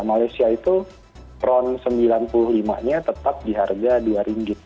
malaysia itu fron sembilan puluh lima nya tetap di harga rp dua